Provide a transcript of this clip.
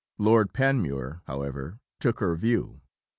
Lord Panmure, however, took her view.